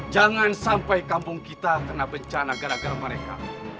jangan sampai kampung kita kena bencana gara gara mereka